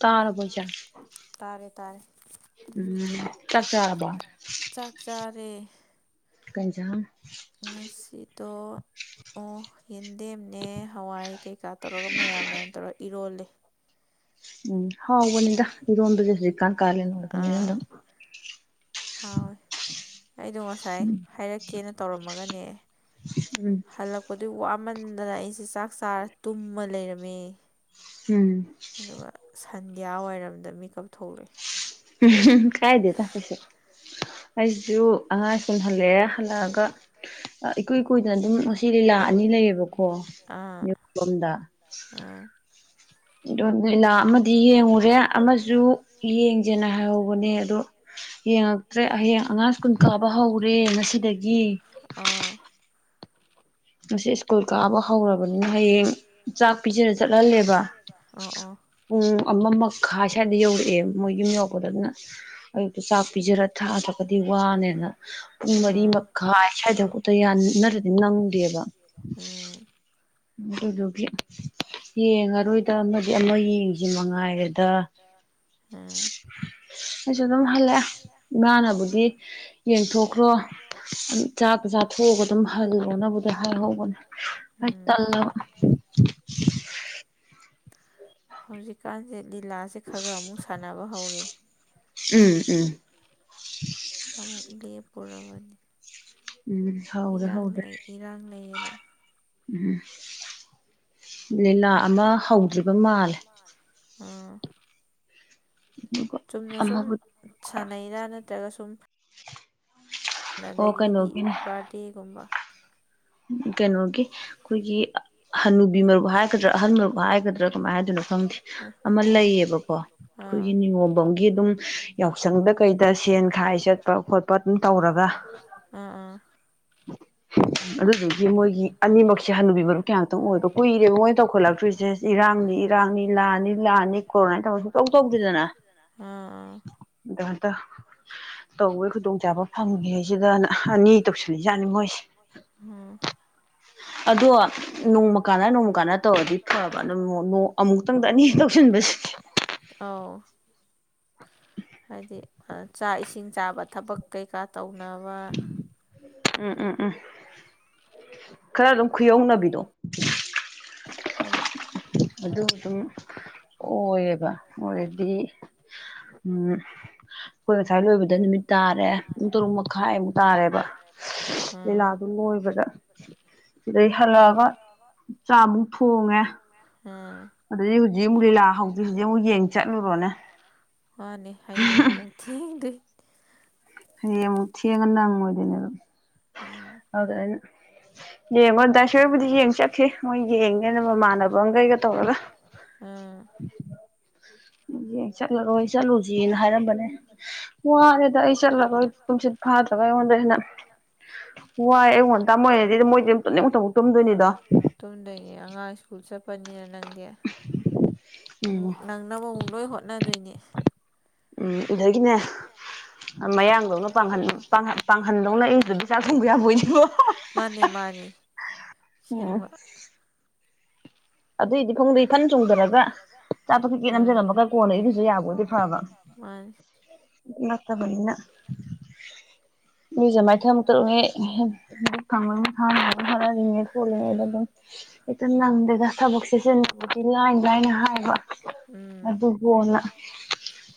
ꯇꯔꯥꯕꯣ ꯏꯆꯦ ꯎꯝ ꯆꯥꯛ ꯆꯔꯕꯣ ꯀꯩ ꯍꯦꯟꯖꯥꯡ ꯉꯁꯤꯗꯣ ꯑꯣ ꯌꯦꯟꯗꯦꯝꯅꯦ ꯍꯋꯥꯏ ꯀꯩ ꯀꯩꯀꯥ ꯇꯧꯔꯒ ꯃꯌꯥꯟ ꯃꯌꯥꯟ ꯇꯧꯔꯒ ꯏꯔꯣꯜꯂꯤ ꯎꯝ ꯍꯥꯎꯕꯅꯤꯗ ꯏꯔꯣꯟꯕꯁꯤ ꯍꯧꯖꯤꯛꯀꯥꯟ ꯀꯥꯂꯦꯟ ꯑꯣꯏꯕꯅꯤꯅꯥ ꯑꯗꯨꯝ ꯍꯥꯎꯋꯦ ꯑꯩꯗꯣ ꯉꯁꯥꯏ ꯍꯥꯏꯔꯛꯀꯦꯅ ꯇꯧꯔꯝꯃꯒꯅꯦ ꯍꯜꯂꯛꯄꯗꯨ ꯋꯥꯃꯟꯗꯅ ꯑꯩꯁꯦ ꯆꯥꯛ ꯆꯥꯔ ꯇꯨꯝꯃ ꯂꯩꯔꯝꯃꯦ ꯑꯗꯨꯒ ꯁꯟꯙꯌꯥ ꯋꯥꯏꯔꯝꯗ ꯃꯤꯀꯞ ꯊꯣꯛꯂꯛꯏ ꯎꯝ ꯍꯨ ꯍꯨ ꯀꯥꯏꯗꯦꯗꯥ ꯀꯩꯁꯨ ꯑꯩꯖꯨ ꯑꯉꯥꯡ ꯁ꯭ꯀꯨ꯭ꯜ ꯍꯜꯂꯛꯑꯦ ꯍꯜꯂꯛꯑꯒ ꯑꯥ ꯏꯀꯨꯏ ꯀꯨꯏꯗꯅ ꯑꯗꯨꯝ ꯉꯁꯤ ꯂꯤꯂꯥ ꯑꯅꯤ ꯂꯩꯌꯦꯕ ꯀꯣ ꯌꯨꯝꯂꯣꯝꯗ ꯗꯣ ꯂꯤꯂꯥ ꯑꯃꯗꯤ ꯌꯦꯡꯉꯨꯔꯦ ꯑꯃꯁꯨ ꯁꯨ ꯌꯦꯡꯁꯦꯅ ꯍꯥꯏꯍꯧꯕꯅꯦ ꯑꯗꯣ ꯌꯦꯡꯉꯛꯇ꯭ꯔꯦ ꯍꯌꯦꯡ ꯑꯉꯥꯡ ꯁ꯭ꯀꯨꯟ ꯀꯥꯕ ꯍꯧꯔꯦ ꯔꯦ ꯉꯁꯤꯗꯒꯤ [unintelligible] ꯁ꯭ꯀꯨꯜ ꯀꯥꯕ ꯍꯧꯔꯕꯅꯤꯅ ꯍꯌꯦꯡ ꯆꯥꯛ ꯄꯤꯖꯔ ꯆꯠꯍꯜꯂꯦꯕ ꯄꯨꯡ ꯑꯃ ꯃꯈꯥꯏ ꯁ꯭ꯋꯥꯏꯗ ꯌꯧꯔꯛꯑꯦ ꯃꯣꯏ ꯌꯨꯝ ꯌꯧꯔꯄꯗ ꯑꯗꯨꯅ ꯑꯌꯨꯛꯇ ꯆꯥꯛ ꯄꯤꯖꯔ ꯊꯥ ꯗ꯭ꯔꯒꯗꯤ ꯋꯥꯅꯦꯅ ꯄꯨꯡ ꯃꯔꯤ ꯃꯈꯥꯏ ꯁ꯭ꯋꯥꯏꯗ ꯍꯧꯒꯠꯇ ꯌꯥꯟ ꯅꯠꯔꯗꯤ ꯅꯪꯗꯦꯕ ꯑꯗꯨꯗꯨꯒꯤ ꯌꯦꯡꯉꯔꯣꯏꯗ ꯑꯃꯗꯤ ꯑꯃ ꯌꯦꯡꯁꯤ ꯃꯉꯥꯏꯔꯦꯗ ꯑꯩꯁꯨ ꯑꯗꯨꯝ ꯍꯜꯂꯛꯑꯦ ꯏꯃꯥꯅꯕꯨꯗꯤ ꯌꯦꯡꯊꯣꯛꯈ꯭ꯔꯣ ꯆꯥꯛꯇꯣ ꯆꯥꯊꯣꯛꯑꯒ ꯑꯗꯨꯝ ꯍꯜꯂꯣꯅ ꯅꯕꯨꯗꯤ ꯍꯥꯏꯍꯧꯕꯅꯦ ꯑꯩ ꯇꯟꯂꯕꯥ ꯍꯧꯖꯤꯛꯀꯥꯟꯁꯦ ꯂꯤꯂꯥꯁꯦ ꯈꯔ ꯈꯔ ꯑꯃꯨꯛ ꯁꯥꯟꯅꯕ ꯍꯧꯔꯦ ꯎꯝ ꯎꯝ ꯑꯃꯨꯛ ꯂꯦꯞꯄꯨꯔꯕꯅꯤ ꯏꯔꯥꯡ ꯂꯩ ꯏꯔꯥꯡ ꯂꯩꯌꯦꯅ ꯎꯝ ꯂꯤꯂꯥ ꯑꯃ ꯍꯧꯗ꯭ꯔꯤꯕ ꯃꯥꯜꯂꯦ ꯑꯥ ꯆꯨꯝꯅ ꯁꯨꯝ ꯁꯥꯟꯅꯩꯔꯥ ꯅꯠꯇ꯭ꯔꯒ ꯁꯨꯝ ꯑꯗꯒꯤꯗꯤ ꯕꯥꯔꯗꯦꯒꯨꯝꯕ ꯀꯩꯅꯣꯒꯤ ꯑꯈꯣꯏꯒꯤ ꯍꯅꯨ ꯕꯤ ꯃꯔꯨꯞ ꯍꯥꯏꯒꯗ꯭ꯔꯥ ꯑꯍꯜ ꯃꯔꯨꯞ ꯍꯥꯏꯒꯗ꯭ꯔꯥ ꯀꯃꯥꯏꯅ ꯍꯥꯏꯗꯣꯏꯅꯣ ꯈꯪꯗꯦ ꯑꯃ ꯂꯩꯌꯦꯕꯀꯣ ꯑꯈꯣꯏꯒꯤ ꯀꯨꯝꯃꯒꯤ ꯑꯗꯨꯝ ꯌꯥꯎꯁꯪꯗ ꯀꯩꯗ ꯁꯦꯟ ꯈꯥꯏ ꯆꯠꯄ ꯈꯣꯠꯄ ꯑꯗꯨꯝ ꯇꯧꯔꯒ [inaudible] ꯑꯗꯨꯗꯨꯒꯤ ꯃꯣꯏꯒꯤ ꯑꯅꯤꯃꯛꯁꯦ ꯍꯟꯅꯨꯕꯤ ꯃꯔꯨꯞꯀꯤ ꯉꯥꯛꯇꯥ ꯑꯣꯏꯕ ꯀꯨꯏꯔꯦꯕ ꯃꯣꯏꯅ ꯇꯧꯈꯠꯂꯛꯇ꯭ꯔꯤꯁꯦ ꯏꯔꯥꯡꯅꯤ ꯏꯔꯥꯡꯅꯤ ꯂꯥꯜꯅꯤ ꯂꯥꯜꯅꯤ ꯀꯣꯔꯣꯅꯥꯅꯤ ꯇꯧꯔ ꯁꯨꯛꯇꯧ ꯇꯧꯗꯔ꯭ꯦꯗꯅ ꯑꯗꯥ ꯍꯟꯗꯛ ꯇꯧꯕꯩ ꯈꯨꯗꯣꯡꯆꯥꯕ ꯐꯪꯉꯤꯉꯩꯁꯤꯗꯅ ꯑꯅꯤ ꯇꯧꯁꯟ ꯌꯥꯠꯅꯤ ꯃꯣꯏꯁꯦ ꯑꯗꯣ ꯅꯣꯡꯃ ꯀꯥꯟꯅ ꯅꯣꯡꯃ ꯀꯥꯟꯅ ꯇꯧꯔꯗꯤ ꯐꯕ ꯑꯃꯨꯛꯇꯪꯗ ꯑꯅꯤ ꯑꯥꯎ [inaudible] ꯍꯥꯏꯗꯤ ꯆꯥꯛ ꯏꯁꯤꯡ ꯆꯥꯕ ꯊꯛꯄꯥ ꯀꯩꯀꯥ ꯇꯧ ꯅꯕꯥ ꯎꯝ ꯎꯝ ꯎꯝ ꯈꯔ ꯑꯗꯨꯝ ꯈꯨꯌꯧꯅꯕꯤꯗꯣ ꯎꯝ ꯑꯗꯨ ꯑꯗꯨꯝ ꯑꯣꯏꯌꯦꯕ ꯃꯣꯏꯗꯤ ꯎꯝ ꯈꯣꯏ ꯁꯅꯥ ꯂꯣꯏꯕꯗ ꯅꯨꯃꯤꯠ ꯇꯥꯔꯦ ꯄꯨꯡ ꯇꯔꯨꯛ ꯃꯈꯥꯏꯃꯨꯛ ꯇꯥꯔꯦꯕ ꯂꯤꯂꯥꯗꯨ ꯂꯣꯏꯕꯗ ꯁꯤꯗꯩ ꯍꯜꯂꯛꯑꯒ ꯆꯥ ꯑꯃꯨꯛ ꯊꯣꯡꯉꯦ ꯑꯗꯨꯗꯒꯤ ꯍꯧꯖꯤꯛ ꯑꯃꯨꯛ ꯂꯤꯂꯥ ꯍꯧꯗ꯭ꯔꯤꯖꯦ ꯑꯃꯨꯛ ꯌꯦꯡ ꯆꯠꯂꯨꯔꯣꯅꯦ ꯃꯥꯅꯦ ꯍꯥꯌꯦꯒ ꯑꯃꯨꯛ ꯊꯦꯡꯗꯣꯏ ꯍꯌꯦꯡ ꯑꯃꯨꯛ ꯊꯦꯡꯉ ꯅꯪꯉꯣꯏꯗꯣꯏꯅꯦ ꯑꯗꯨꯗꯅꯥ ꯑꯩꯅ ꯅꯦꯝꯃ [unintelligible] [unintelligible] ꯗꯤ ꯌꯦꯡ ꯆꯠꯈꯤ ꯃꯣꯏ ꯌꯦꯡꯅꯤꯅ ꯃꯃꯥꯟꯅꯕꯒꯩꯒ ꯇꯧꯔꯒ [inaudible] ꯌꯦꯡ ꯆꯠꯂꯔꯣꯏ ꯆꯠꯂꯨꯁꯤꯅ ꯍꯥꯏꯔꯝꯕꯅꯦ ꯋꯥꯔꯦꯗ ꯑꯩ ꯆꯠꯂꯔꯣꯏ ꯇꯨꯝꯁꯤꯠ ꯐꯥꯗ꯭ꯔꯒ ꯑꯩꯉꯣꯟꯗ ꯍꯦꯟꯅ ꯋꯥꯏ ꯑꯌꯨꯛ ꯉꯟꯇꯥ ꯃꯣꯏꯅꯗꯤ ꯗꯨꯝ ꯃꯣꯏꯗꯤ ꯑꯗꯨꯝ ꯇꯨꯝꯅꯤꯡ ꯃꯇꯝ ꯐꯥꯎ ꯇꯨꯝꯗꯣꯏꯅꯤꯗꯣ ꯄꯅꯤꯅ ꯅꯪꯗꯤ ꯑꯃꯨꯛ ꯅꯪꯅꯕ ꯑꯃꯨꯛ ꯂꯣꯏ ꯍꯣꯠꯅꯗꯣꯏꯅꯦ ꯎꯝ ꯑꯗꯒꯤꯅꯦ ꯃꯌꯥꯡꯗꯧꯅ ꯄꯥꯡꯍꯟ ꯄꯥꯡꯍꯟꯗꯧꯅ ꯏꯔꯨꯖꯕꯤ ꯆꯥꯛ [unintelligible] ꯑꯗꯨꯏꯗꯤ ꯄꯨꯡꯗꯤ ꯐꯟ ꯆꯣꯡꯗꯔꯒ ꯆꯥꯛꯇꯣ ꯀꯤꯀꯤꯠ ꯅꯝꯖꯜꯂꯝꯃꯒ ꯀꯣꯟꯅ ꯏꯔꯨꯖ ꯌꯥꯕ ꯑꯣꯏꯗꯤ ꯐꯕ [unintelligible] ꯅꯠꯇꯕꯅꯤꯅ ꯏꯔꯨꯖ ꯃꯥꯏꯊ ꯑꯃꯨꯛ ꯇꯧꯔꯤꯉꯩ [unintelligible] ꯍꯣꯠꯅꯔꯤꯉꯩ ꯈꯣꯠꯂꯤꯉꯩꯗꯗꯨꯝ ꯍꯦꯛꯇ ꯅꯪꯗꯦꯗ ꯊꯕꯛꯁꯦ ꯥ ꯆꯤꯟ ꯈꯛꯀꯤ ꯂꯥꯏ ꯂꯥꯏꯅ ꯍꯥꯏꯕ ꯑꯗꯨ ꯀꯣꯟꯅ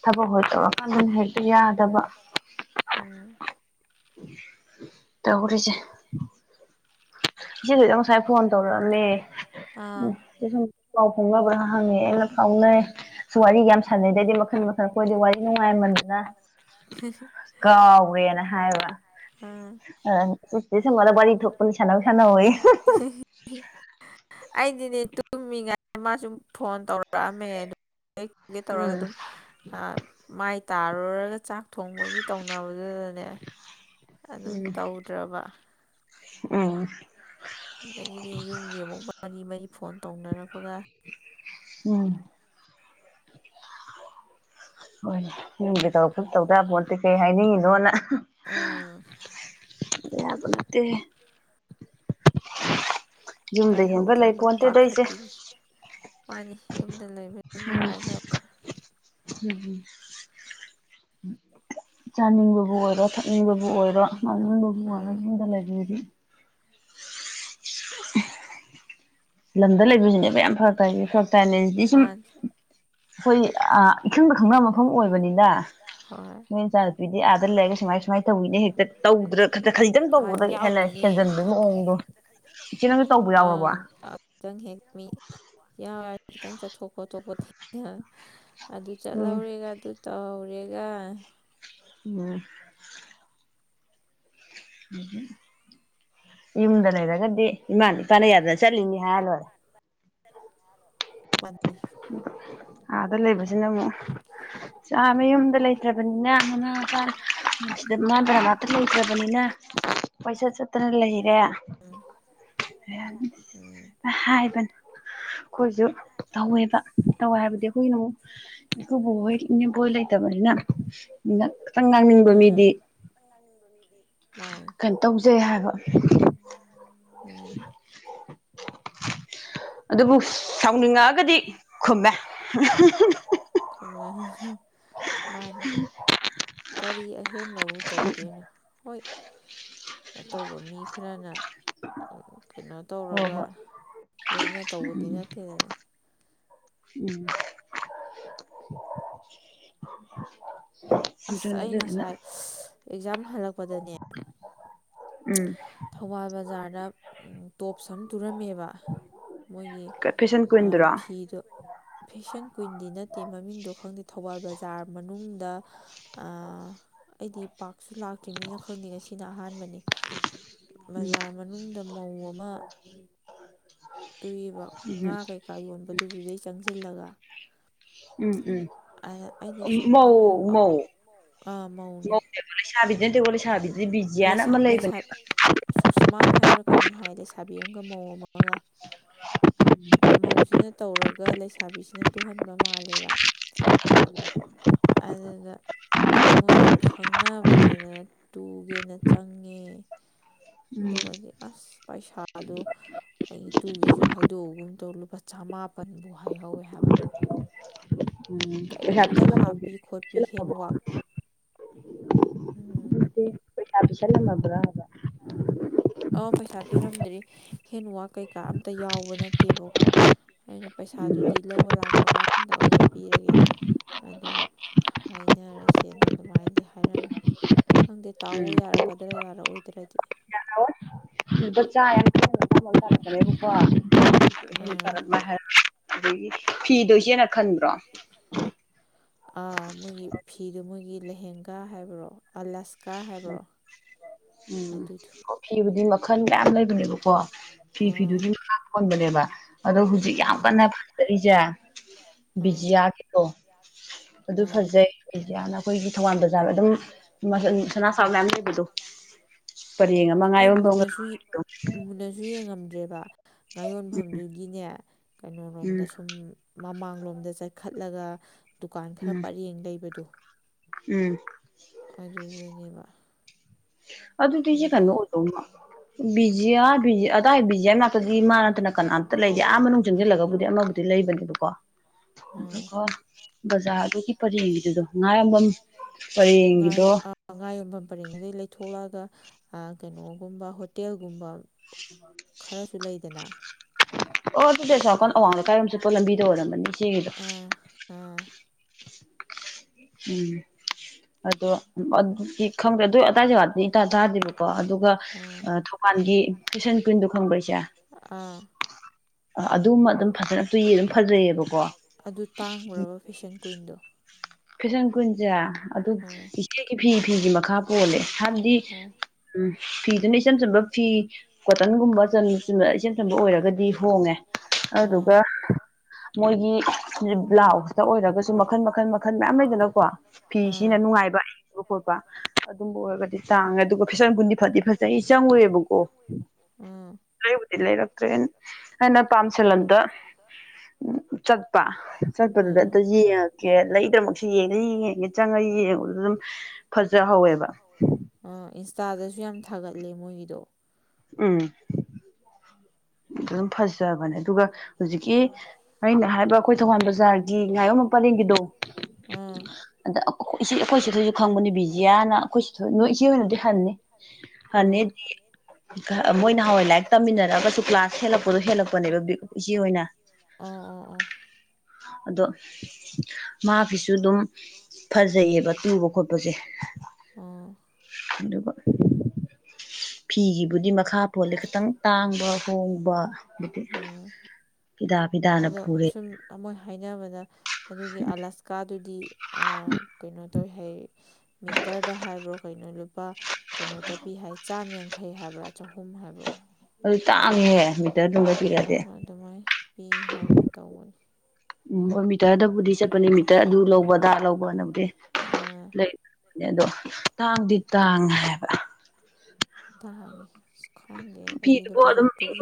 ꯊꯕꯛ ꯑꯣꯏ ꯇꯧꯔꯀꯥꯟꯗꯅ ꯍꯦꯛꯇ ꯌꯥꯗꯕ ꯇꯧꯔꯤꯁꯦ ꯏꯆꯦ ꯊꯣꯏꯗꯣ ꯉꯁꯥꯏ ꯐꯣꯟ ꯇꯧꯔꯛꯑꯝꯃꯦ ꯎꯝ ꯁꯤ ꯁꯨꯝ ꯄꯥꯎ ꯐꯥꯎꯅꯕ꯭ꯔꯥ ꯍꯪꯉꯦ ꯑꯩꯅ ꯐꯥꯎ ꯅꯩ ꯋꯥꯔꯤꯒ ꯌꯥꯝ ꯁꯥꯟꯅꯩꯗ ꯑꯩꯗꯤ ꯃꯈꯜ ꯃꯈꯜ ꯑꯩꯈꯣꯏꯗꯤ ꯋꯥꯔꯤ ꯅꯨꯡꯉꯥꯏꯃꯟꯗꯅ ꯀꯥꯎꯒ꯭ꯔꯦ ꯒꯦꯅ ꯍꯥꯏꯌꯦꯕ ꯑꯗ ꯆꯦ ꯁꯣꯃꯣꯅ ꯋꯥꯔꯤ ꯊꯣꯛꯄꯅꯤ ꯁꯥꯟꯅꯧ ꯁꯥꯟꯅꯧ ꯋꯣꯌꯦ [unintelligible] ꯑꯩꯗꯤꯅꯦ ꯇꯨꯝꯃꯤꯉꯥꯏ ꯃꯥꯁꯨꯨꯝ ꯐꯣꯟ ꯇꯧꯔꯛ ꯔꯛꯑꯝꯃꯦ ꯑꯗꯨ ꯇꯨꯒꯦ ꯇꯨꯒꯦ ꯇꯧꯔꯒ ꯑꯗꯨꯝ ꯑ ꯃꯥꯏ ꯇꯥꯔꯨꯔꯒ ꯆꯥꯛ ꯊꯣꯡꯕꯒꯤ ꯇꯧꯅꯕꯗꯨꯗꯅꯦ ꯑꯗꯨꯝ ꯇꯧꯗ꯭ꯔꯕ ꯎꯝ ꯑꯗꯒꯤꯗꯤ ꯌꯨꯝꯒꯤ ꯑꯃꯨꯛ ꯃꯔꯤ ꯃꯔꯤ ꯐꯣꯟ ꯇꯧꯅꯔꯛꯄꯒ ꯎꯝ ꯍꯣꯏ ꯌꯨꯝꯒꯤ ꯇꯧꯔꯛꯄ ꯇꯧꯗ ꯌꯥꯄꯣꯠꯇꯦ ꯀꯩ ꯍꯥꯏꯅꯤꯡꯉꯤꯅꯣꯅ [unintelligible] ꯌꯕ ꯅꯠꯇꯦ ꯄꯥꯏꯍꯧꯗ꯭ꯔꯝꯅꯤꯅ ꯄꯥꯈꯠꯄꯤꯅꯤ ꯃꯥꯅꯤ [inaudible] [inaudible] ꯆꯥꯅꯤꯡꯕꯕꯨ ꯑꯣꯏꯔꯣ ꯊꯛꯅꯤꯡꯕꯕꯨ ꯑꯣꯏꯔꯣ [unintelligible] [inaudible] ꯂꯝꯗ ꯂꯩꯕꯁꯤꯅꯦꯕ ꯌꯥꯝ ꯐꯔꯛ ꯇꯥꯏ ꯐꯔꯛ ꯇꯥꯏꯅꯦ ꯗꯤ ꯁꯨꯝ ꯑꯩꯈꯣꯏ ꯑ ꯏꯈꯪꯕ ꯈꯪꯅꯕ ꯃꯐꯝ ꯑꯣꯏꯕꯅꯤꯗ ꯅꯣꯏ ꯅꯆꯥ ꯅꯨꯄꯤꯗꯤ ꯑꯥꯗ ꯂꯩꯔꯒ ꯁꯨꯃꯥꯏ ꯁꯨꯃꯥꯏꯅ ꯇꯧꯋꯤꯅꯦ ꯍꯦꯛꯇ ꯇꯧꯗ꯭ꯔ ꯈꯖꯤꯛꯇꯪ ꯇꯧꯕꯗ ꯍꯦꯟꯅ ꯍꯦꯟ ꯍꯦꯟꯖꯤꯟꯕꯒꯤ ꯃꯑꯣꯡꯗꯣ ꯏꯆꯦ ꯅꯪꯁꯨ ꯇꯧꯕ ꯌꯥꯎꯔꯕ ꯈꯤꯇꯪ ꯍꯦꯛ ꯃꯤ ꯌꯥꯎꯔꯒ ꯈꯤꯇꯪ ꯆꯠꯊꯣꯛ ꯈꯣꯇꯣꯛꯄ ꯊꯦꯡꯙ ꯑꯗꯨ ꯆꯠꯍꯧꯔꯦꯒ ꯑꯗꯨ ꯇꯧꯍꯧꯔꯦꯒ ꯎꯝ [unintelligible] ꯌꯨꯝꯗ ꯂꯩꯔꯒꯗꯤ ꯏꯃꯥꯅ ꯏꯄꯥꯅ ꯌꯥꯗꯅ ꯆꯠꯂꯤꯅꯤ ꯍꯥꯏꯔ ꯂꯣꯏꯔꯦ ꯄꯟꯅꯦ ꯑꯥꯗ ꯂꯩꯕꯁꯤꯅ ꯑꯃꯨꯛ ꯆꯥ ꯃꯌꯨꯝꯗ ꯂꯩꯇ꯭ꯔꯕꯅꯤꯅ ꯅ ꯃ ꯄꯥꯅ ꯁꯤꯗ ꯃꯥꯟꯗ꯭ꯔ ꯅꯥꯛꯇ ꯂꯩꯇ꯭ꯔꯕꯅꯤꯅ ꯀꯣꯢꯆꯠ ꯆꯠꯇꯅ ꯂꯩꯔꯦ ꯅ ꯍꯥꯏꯕꯅꯦ ꯈꯣꯏꯖꯨ ꯇꯧꯋꯦ ꯇ ꯇꯧ ꯍꯥꯏꯕꯗꯤ ꯑꯩꯈꯣꯏꯒꯤꯅ ꯑꯃꯨꯛ ꯏꯀꯨꯕꯣꯛ ꯍꯣꯏ ꯏꯅꯦꯝꯄꯣꯛ ꯍꯣꯏ ꯂꯩꯇꯕꯅꯤꯅ ꯈꯛꯇꯪ ꯉꯥꯡꯅꯤꯡꯕ ꯃꯤꯗꯤ ꯀꯩꯝ ꯇꯧꯖꯩ ꯍꯥꯏꯕ [inaudible] ꯑꯗꯨꯕꯨ ꯁ ꯁꯥꯎ ꯁꯥꯎꯅꯤꯡꯉꯛꯑꯒꯗꯤ ꯈꯨꯝꯃꯦ [unintelligible] ꯃꯥꯅꯤ ꯀꯔꯤ ꯑꯍꯦꯟꯕꯕꯨ ꯇꯧꯗꯣꯏꯅꯣ ꯍꯣꯏ ꯑꯇꯧꯕ ꯃꯤ ꯈꯥꯔꯅ ꯀꯩꯅꯣ ꯇꯧꯔꯒ ꯂꯣꯏꯅ ꯇꯧꯕꯗꯤ ꯅꯠꯇꯦꯗꯅ ꯎꯝ ꯑꯁ ꯑꯩ ꯉꯁꯥꯏ ꯁ ꯑꯦꯛꯖꯥꯝ ꯍꯜꯂꯛꯄꯗꯅꯦ ꯎꯝ ꯊꯧꯕꯥꯜ ꯕꯖꯥꯔꯗ ꯑꯝ ꯇꯣꯞꯁ ꯑꯃ ꯇꯨꯔꯝꯃꯦꯕ ꯃꯣꯏꯒꯤ ꯑꯥ ꯐꯤꯗꯣ ꯐꯦꯁꯟ ꯀ꯭ꯋꯤꯟꯗꯤ ꯅꯠ ꯅꯠꯇꯦ ꯃꯃꯤꯡꯗꯣ ꯈꯪꯗꯦ ꯊꯧꯕꯥꯜ ꯕꯖꯥꯔ ꯃꯅꯨꯡꯗ ꯑꯥ ꯑꯩꯗꯤ ꯄꯥꯛ ꯁꯨ ꯂꯥꯛꯇ꯭ꯔꯤꯝꯅꯤꯅ ꯈꯪꯗꯦ ꯉꯁꯤꯅ ꯑꯍꯥꯟꯕꯅꯦ ꯕꯖꯥꯔ ꯃꯅꯨꯡꯗ ꯃꯧ ꯑꯃ ꯇꯨꯏꯌꯦꯕ ꯉꯥ ꯀꯩꯀꯥ ꯌꯣꯟꯕꯗꯨ ꯗꯨꯗꯩ ꯆꯪꯁꯤꯜꯂꯒ ꯎꯝ ꯎꯝ ꯑꯝ ꯃꯧ ꯃꯧ ꯁꯥꯕꯤꯗꯤ ꯅꯠꯇꯦꯀꯣ ꯂꯩꯁꯥꯕꯤ ꯂꯩꯁꯥ ꯂꯩꯁꯥ ꯁꯨꯁꯃꯥ ꯍꯥꯏꯕ꯭ꯔꯥ ꯀꯩꯅꯣꯝ ꯍꯥꯏ ꯂꯩꯁꯥꯕꯤ ꯑꯝꯒ ꯃꯧ ꯑꯃꯒ ꯃꯧꯁꯤꯅ ꯇꯧꯔꯒ ꯂꯩꯁꯥꯕꯤꯁꯤꯅ ꯇꯨꯍꯟꯕ ꯃꯥꯜꯂꯦꯕ [inaudible] ꯑꯗꯨꯗ ꯃꯣꯏ ꯈꯪꯅꯕꯅꯦꯗꯅ ꯇꯨꯒꯦꯅ ꯆꯪꯉꯦ ꯑꯗꯨꯒꯗꯤ ꯑꯁ ꯄꯩꯁꯥꯗꯣ ꯑꯩ ꯇꯨꯒꯦꯁꯨ ꯍꯥꯏꯗꯣꯛꯎꯒꯨꯝ ꯇꯧ ꯂꯨꯄꯥ ꯆꯃꯥꯄꯟꯕꯨ ꯍꯥꯏꯍꯧꯋꯦ ꯍꯥꯏꯕ [unintelligible] ꯄꯤ ꯍꯦꯟꯋꯥꯛ ꯎꯝ ꯄꯩꯁꯥ ꯄꯤꯁꯜꯂꯝꯃꯕ꯭ꯔꯥ ꯍꯥꯏꯕ ꯑꯥ ꯄꯩꯁꯥ ꯄꯤꯔꯝꯗ꯭ꯔꯤ ꯍꯦꯟꯋꯥꯛ ꯀꯩꯀꯥ ꯑꯝꯇ ꯌꯥꯎꯕ ꯅꯠꯇꯦꯕꯀꯣ ꯑꯩꯅ ꯄꯩꯁꯥꯗꯨꯗꯤ ꯂꯧꯕ ꯂꯥꯛꯄ ꯀꯥꯟꯗ ꯑꯣꯏꯅ ꯄꯤꯔꯒꯦ ꯑꯗꯨꯒ ꯍꯥꯏꯅꯔꯁꯦꯅ ꯑꯗꯨꯃꯥꯏꯅꯗꯤ ꯍꯥꯏꯔꯝꯃꯦ ꯈꯪꯗꯦ ꯇꯥꯎꯋꯣ ꯌꯥꯔꯛꯀꯗ꯭ꯔꯥ ꯌꯥꯔꯛꯑꯣꯏꯗ꯭ꯔꯗꯤ [unintelligible] ꯑꯗꯒꯤ ꯐꯤꯗꯣ ꯏꯆꯦꯅ ꯈꯟꯕ꯭ꯔꯣ ꯑꯥ ꯃꯣꯏꯒꯤ ꯐꯤꯗꯨ ꯃꯣꯏꯒꯤ ꯂꯍꯦꯡꯒꯥꯥ ꯍꯥꯏꯕ꯭ꯔꯣ ꯑꯥꯂꯁꯀꯥ ꯍꯥꯏꯕ꯭ꯔꯣ ꯎꯝ ꯐꯤꯕꯨꯗꯤ ꯃꯈꯜ ꯃꯌꯥꯝ ꯂꯩꯕꯅꯦꯕꯀꯣ ꯐꯤ ꯐꯤꯗꯨꯗꯤ ꯃꯥꯈ ꯄꯣꯟꯕꯅꯦꯕ ꯑꯗꯣ ꯍꯧꯖꯤꯛ ꯌꯥꯝ ꯀꯟꯅ ꯐꯖꯔꯤꯁꯦ ꯕꯤꯖꯤꯌꯥꯒꯤꯗꯣ ꯑꯗꯨ ꯐꯖꯩ [unintelligible] ꯑꯩꯈꯣꯏꯒꯤ ꯊꯧꯕꯥꯜ ꯕꯖꯥꯔ ꯑꯗꯨꯝ ꯃꯍꯟ ꯁꯅꯥꯁꯥꯕ ꯃꯌꯥꯝ ꯂꯩꯕꯗꯣ ꯄꯠ ꯑꯩ ꯃꯨꯟꯅꯁꯨ ꯌꯦ ꯃꯨꯟꯅꯁꯨ ꯌꯦꯡꯉꯝꯗ꯭ꯔꯦꯕ ꯉꯥ ꯌꯣꯟꯐꯝꯗꯨꯒꯤꯅꯦ ꯀꯩꯅꯣꯔꯣꯝꯗ ꯁꯨꯝ ꯃꯃꯥꯡꯂꯣꯝꯗ ꯆꯠꯈꯠꯂꯒ ꯗꯨꯀꯥꯟ ꯈꯥꯔ ꯄꯔꯦꯡ ꯂꯩꯕꯗꯣ ꯎꯝ ꯑꯗꯨꯗꯤ ꯏꯁꯦ ꯀꯩꯅꯣ ꯑꯣꯏꯗꯧꯃ ꯕꯤꯖꯤꯌꯥ ꯕꯤ ꯑꯗꯥꯏ ꯕꯤꯖꯤꯌꯥ ꯃꯅꯥꯛꯇꯗꯤ ꯃꯥ ꯅꯠꯇꯅ ꯀꯅꯥꯝꯇ ꯂꯩꯇꯦ ꯑꯥ ꯃꯅꯨꯡ ꯆꯪꯁꯤꯜꯂꯒꯕꯨꯗꯤ ꯑꯃꯕꯨꯗꯤ ꯂꯩ ꯂꯩꯕꯅꯦꯕꯀꯣ ꯑꯗꯨꯒ ꯕꯖꯥꯔꯗꯨꯒꯤ ꯄꯔꯦꯡꯒꯤꯗꯣ ꯉꯥꯌꯣꯟꯕꯝ ꯉꯥ ꯑ ꯉꯥ ꯌꯣꯟꯐꯝ ꯄꯔꯦꯡꯗꯨꯗꯩ ꯂꯩ ꯊꯣꯛꯂꯛꯑꯒ ꯀꯩꯅꯣꯒꯨꯝꯕ ꯍꯣꯇꯦꯜꯒꯨꯝꯕ [inaudible] ꯑꯣ ꯑꯗꯨꯗꯤ ꯑꯁꯣꯝꯅꯥꯀꯟ ꯑꯋꯥꯡ ꯂꯩꯀꯥꯏꯔꯣꯝꯗ ꯆꯠꯄ ꯂꯝꯕꯤꯗ ꯑꯣꯏꯔꯝꯃꯅꯤ ꯑꯥ ꯑꯥ ꯎꯝ ꯑꯗꯣ ꯑꯗꯨꯗꯤ ꯈꯪꯗꯦ ꯑꯗꯨ ꯑꯗꯥꯏ ꯖꯒꯥꯗꯨꯗꯤ ꯏꯇꯥ ꯇꯥꯗꯦꯕꯀꯣ ꯑꯗꯨꯒ ꯊꯧꯕꯥꯥꯟꯒꯤ ꯐꯦꯁꯟ ꯀ꯭ꯋꯤꯟꯗꯣ ꯈꯪꯕ꯭ꯔꯥ ꯏꯆꯦ ꯑꯥ ꯑꯥ ꯑꯗꯨꯃ ꯑꯗꯨꯝ ꯐꯖꯅ ꯇꯨꯏꯌꯦ ꯑꯗꯨꯝ ꯐꯖꯩꯌꯦꯕꯀꯣ ꯀ꯭ꯋꯤꯟꯗꯣ ꯐꯦꯁꯟ ꯀ꯭ꯋꯤꯟꯁꯦ ꯑꯗꯨ ꯏꯆꯦꯒꯤ ꯐꯤ ꯐꯤꯒꯤ ꯃꯈꯥ ꯄꯣꯜꯂꯦ ꯍꯥꯏꯕꯗꯤ ꯎꯝ ꯐꯤꯗꯨꯅ ꯏꯆꯝ ꯆꯝꯕ ꯐꯤ ꯀꯣꯇꯟꯒꯨꯝꯕ ꯆꯝ ꯆꯨꯝꯅ ꯏꯆꯝ ꯆꯝꯕ ꯑꯣꯏꯔꯒꯗꯤ ꯍꯣꯡꯉꯦ ꯑꯗꯨꯗꯨꯒ ꯃꯣꯏꯒꯤ ꯕ꯭ꯂꯥꯎꯁꯇ ꯑꯣꯏꯔꯒꯁꯨ ꯃꯈꯜ ꯃꯈꯜ ꯃꯥ ꯈꯜ ꯃꯌꯥꯝ ꯂꯩꯗꯅꯀꯣ ꯐꯤꯁꯤꯅ ꯅꯨꯡꯉꯥꯏꯕ ꯕ ꯈꯣꯠꯄ ꯑꯗꯨꯝꯕ ꯑꯣꯏꯔꯒꯗꯤ ꯇꯥꯡꯉꯦ ꯑꯗꯨꯒ ꯐꯦꯁꯟ ꯀ꯭ꯋꯤꯟꯗꯤ ꯐꯗꯤ ꯐꯖꯩ ꯑꯩ ꯆꯪꯉꯨꯔꯦꯕꯀꯣ ꯂꯩꯕꯨꯗꯤ ꯂꯩꯔꯛꯇ꯭ꯔꯦ ꯑꯩꯅ ꯄꯥꯝꯁꯤꯜꯂꯇ ꯎꯝ ꯆꯠꯄ ꯆꯠꯄꯗꯨꯗ ꯑꯗ ꯌꯦꯡꯉꯛꯀꯦ ꯂꯩ ꯗ꯭ꯔꯃꯛꯁꯨ ꯌꯦꯡꯗꯗꯤ ꯌꯦꯡꯒꯦ ꯆꯪꯉ ꯌꯦꯡꯕꯗꯨꯗ ꯑꯗꯨꯝ ꯐꯖꯍꯧꯋꯦꯕ ꯇꯥꯗꯁꯨ ꯌꯥꯝ ꯊꯥꯒꯠꯂꯦ ꯃꯣꯏꯒꯤꯗꯣ ꯎꯝ ꯑꯗꯨꯝ ꯐꯖꯕꯅꯦ ꯑꯗꯨꯒ ꯍꯧꯖꯤꯛꯀꯤ ꯑꯩꯅ ꯍꯥꯏꯕ ꯑꯩꯈꯣꯏ ꯊꯧꯕꯥꯜ ꯕꯖꯥꯔ ꯒꯤ ꯉꯥꯏꯌꯣꯟꯕꯝ ꯄꯔꯦꯡꯒꯤꯗꯣ ꯑꯗ ꯏꯆꯦ ꯑꯩꯈꯣꯏ ꯆꯦ ꯊꯣꯏꯁꯨ ꯈꯪꯕꯅꯤ ꯕꯤꯖꯤꯌꯥꯅ ꯑꯩꯈꯣꯏ ꯆꯦꯊꯣꯢ ꯅꯣꯢ ꯅꯗꯤ ꯍꯟꯅꯤ ꯍꯟꯅꯤꯗꯤ ꯃꯣꯏ ꯅꯍꯥꯟꯋꯥꯏ ꯂꯥꯏꯔꯤꯛ ꯇꯝꯃꯤꯟꯅꯔꯒꯁꯨ ꯀ꯭ꯂꯥꯁ ꯍꯦꯜꯂꯛꯄꯗꯣ ꯍꯦꯜꯂꯛꯄꯅꯦꯕ ꯕꯤ ꯏꯆꯦꯍꯣꯢꯅ ꯑꯗꯣ ꯃꯥ ꯐꯤꯁꯨ ꯑꯗꯨꯝ ꯐꯖꯩꯌꯦꯕ ꯇꯨꯕ ꯈꯣꯠꯄꯁꯦ ꯑꯗꯨꯒ ꯐꯤꯒꯤꯕꯨꯗꯤ ꯃ ꯈꯥ ꯄꯣꯂꯦ ꯈꯤꯇꯪ ꯇꯥꯡꯕ ꯍꯣꯡꯕ ꯍꯥꯏꯗꯤ ꯐꯤꯗꯥ ꯐꯤꯗꯥꯅ ꯄꯨꯔꯦ ꯍꯥꯏꯅꯕꯗ ꯑꯗꯨꯒꯤ ꯑꯥꯂꯁꯀꯥꯗꯨꯗꯤ ꯀꯩꯅꯣ ꯇꯧꯋꯤ ꯍꯥꯏ ꯃꯤꯇꯔꯗ ꯍꯥꯏꯕ꯭ꯔꯣ ꯀꯩꯅꯣ ꯂꯨꯄꯥ ꯀꯩꯅꯣꯗ ꯄꯤ ꯍꯥꯏ ꯆꯥꯃ ꯌꯥꯡꯈꯩ ꯍꯥꯏꯕ꯭ꯔꯥ ꯆꯍꯨ ꯍꯨꯝ ꯍꯥꯏꯕ꯭ꯔꯣ ꯑꯗꯨ ꯇꯥꯡꯉꯦꯍꯦ ꯃꯤꯇꯔꯗꯨꯝꯗ ꯄꯤꯔꯛꯑꯗꯤ ꯄꯤ ꯍꯥꯏꯒꯨꯝ ꯇꯧꯕꯅꯤ ꯎꯝ [unintelligible] ꯇꯔꯗꯕꯨꯗꯤ ꯆꯠꯄꯅꯤ ꯃꯤꯇꯔ ꯑꯗꯨ ꯂꯧꯕ ꯑꯗꯥ ꯂꯧꯕꯅꯕꯨꯗꯤ ꯂꯩꯕꯅꯦ ꯑꯗꯣ ꯇꯥꯡꯗꯤ ꯇꯥꯡꯉꯦ ꯍꯥꯏꯕ ꯇꯥꯉꯦ ꯑꯁ ꯈꯪꯗꯦ ꯑꯩꯗꯤ ꯂꯨꯄꯥ ꯆꯇ꯭ꯔꯨꯛ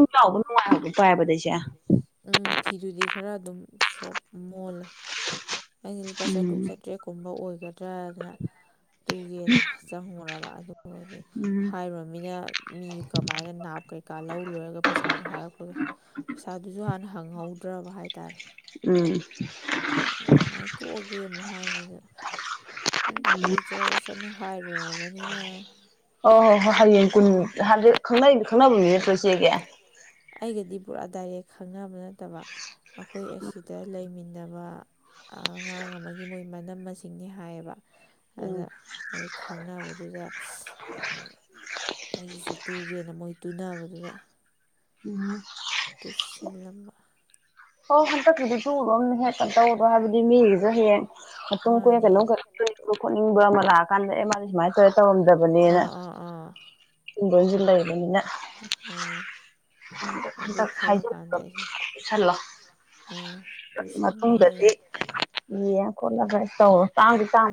ꯎꯝ ꯐꯤꯗꯨꯗꯤ ꯈꯔ ꯑꯗꯨꯝ ꯁꯣꯞ ꯃꯣꯜꯂꯦ ꯑꯩꯅ ꯂꯨꯄꯥ ꯆꯥꯇ꯭ꯔꯨꯛ ꯆꯥꯇ꯭ꯔꯦꯠꯀꯨꯝꯕ ꯑꯣꯏ ꯗ꯭ꯔꯅ ꯇꯨꯒꯦꯅ ꯆꯪꯉꯨꯔꯕ ꯑꯗꯨꯒꯗꯤ ꯍꯥꯏꯔꯨꯔꯕꯅꯤꯅ ꯃꯤ ꯀꯃꯥꯏꯅ ꯅꯥꯞ ꯀꯩꯀꯥ ꯂꯧ ꯂꯣꯏꯔꯒ ꯄꯩꯁꯥꯗꯣ ꯍꯥꯏꯔꯛꯄꯗꯣ ꯄꯩꯁꯥꯗꯨꯁꯨ ꯍꯥꯟꯅ ꯍꯪꯍꯧꯗ꯭ꯔꯕ ꯍꯥꯏꯇꯥꯔꯦ ꯎꯝ ꯑꯥ ꯀꯃꯥꯏꯅ ꯇꯣꯛꯑꯒꯦ ꯑꯃꯨꯛ ꯍꯥꯏꯅꯤ ꯑꯗꯨꯝ ꯑꯣꯏꯖꯔꯁꯅꯨ ꯍꯥꯏꯔꯨꯔꯕꯅꯤꯅ ꯑꯣ ꯍꯣ ꯍꯣꯏ ꯍꯌꯦꯡ ꯀꯨꯟ ꯍꯧꯖꯤꯛ ꯈꯪꯅꯔꯤꯕ ꯈꯪꯅꯕ ꯃꯤ ꯅꯠꯇ꯭ꯔꯣ ꯏꯆꯦꯒꯤ ꯑꯩꯒꯗꯤ ꯄꯨꯔꯥ ꯗꯥꯏꯔꯦꯛ ꯈꯪꯅꯕ ꯅꯠꯇꯕ ꯑꯩꯈꯣꯏ ꯑꯁꯤꯗ ꯂꯩꯃꯤꯟꯅꯕ ꯑꯉꯥꯡ ꯑꯃꯒꯤ ꯃꯣꯏ ꯃꯅꯝꯃ ꯁꯤꯡꯅꯦ ꯍꯥꯏꯌꯦꯕ ꯑꯗ ꯃꯣꯏ ꯈꯪꯅꯕꯗꯨꯗ ꯑꯁ ꯑꯩꯒꯤꯁꯨ ꯇꯨꯒꯦꯅ ꯃꯣꯏ ꯇꯨꯅꯕꯗꯨꯗ ꯎ [inaudible] ꯇꯨꯁꯤꯜꯂꯝꯕ ꯍꯣ ꯍꯟꯗꯛꯀꯤꯗꯤ ꯇꯨꯔꯨꯔꯃꯤꯅ ꯍꯦꯛ ꯀꯩꯅꯣ ꯇꯧꯕꯗꯣ ꯍꯥꯏꯕꯗꯤ ꯃꯤꯒꯤꯁꯨ ꯍꯌꯦꯡ ꯃꯇꯨꯡ ꯑꯩꯈꯣꯏꯅ ꯀꯩꯅꯣꯝ ꯀꯩꯅꯣꯝ ꯇꯨꯅꯤꯡꯕ ꯈꯣꯠꯅꯤꯡꯕ ꯑꯃ ꯂꯥꯛꯑꯀꯥꯟꯗ ꯑꯦ ꯃꯥꯗꯤ ꯁꯨꯃꯥꯏꯅ ꯇꯧꯋꯦ ꯇꯧꯗꯕꯅꯤꯅ ꯑꯗꯨꯕꯁꯨ ꯂꯩꯕꯅꯤꯅ ꯑꯝ ꯈ ꯇ ꯈꯥꯏꯖ ꯆꯜꯂꯣ [unintelligible] ꯃꯇꯨꯡꯗꯗꯤ ꯌꯦ ꯈꯣꯠꯂꯒ ꯇꯧꯔꯣ ꯇꯥꯡꯗꯤ ꯇꯥꯡꯉ